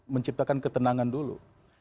menciptakan ketenangan dulu